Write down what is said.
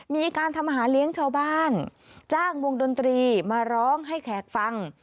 มีการทำอาหารเลี้ยงชาวบ้านจ้างวงดนตรีมาร้องให้แขกฟัง